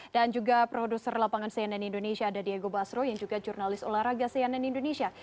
dan juga produser lapangan cnn indonesia dady ego basro yang juga jurnalis olahraga cnn indonesia